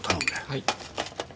はい。